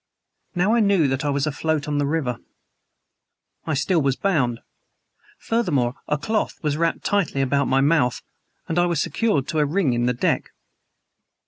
Now I knew that I was afloat on the river. I still was bound: furthermore, a cloth was wrapped tightly about my mouth, and I was secured to a ring in the deck.